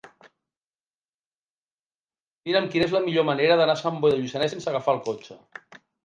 Mira'm quina és la millor manera d'anar a Sant Boi de Lluçanès sense agafar el cotxe.